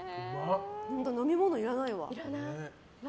飲み物いらないわ。